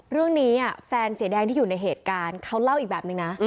เรื่องนี้แฟนเสียแดงที่อยู่ในเหตุการณ์เขาเล่าอีกแบบนึงนะ